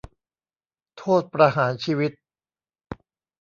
โทษประหารชีวิต